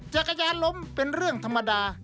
จักรยานล้มเป็นเรื่องธรรมดา